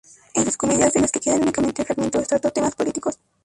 En sus comedias, de las que quedan únicamente fragmentos, trató temas políticos.